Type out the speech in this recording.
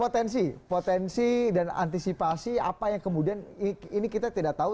potensi potensi dan antisipasi apa yang kemudian ini kita tidak tahu